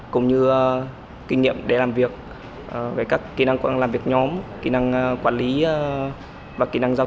cũng như kinh nghiệm để làm việc về các kỹ năng làm việc nhóm kỹ năng quản lý và kỹ năng giao